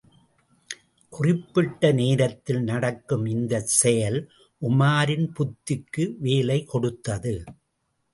குறிப்பிட்ட நேரத்தில் நடக்கும் இந்தச் செயல் உமாரின் புத்திக்கு வேலை கொடுத்தது.